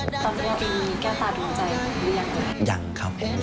ตอนนี้มีแก้วตาดวงใจหรือยังครับ